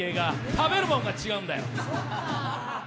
食べるものが違うんだよ。